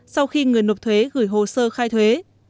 sau khi người nộp thuế gửi hồ sơ khai thuế